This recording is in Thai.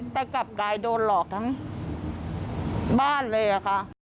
แต่กลับกลายโดนหลอกทั้งบ้านเลยอะค่ะ